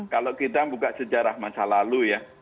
kalau kita buka sejarah masa lalu ya